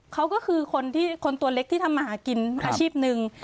เขาก็คือคนตัวเล็กที่ทำมาหากินอาชีพหนึ่ง